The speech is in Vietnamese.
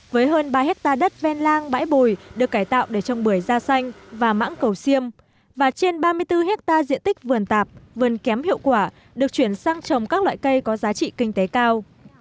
với hơn ba hectare đất ven lang bãi bồi được cải tạo để trồng bưởi da xanh và mãng cầu xiêm và trên ba mươi bốn hectare diện tích vườn tạp vườn kém hiệu quả được chuyển sang trồng các loại cây có giá trị kinh tế cao